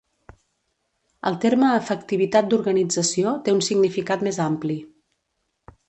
El terme efectivitat d'organització té un significat més ampli.